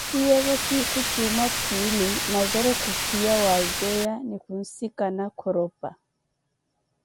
Efiyeevo sinkhu jumwaa-phiili Nazoro khufiya walteyiya ni khunsikana Khoropa.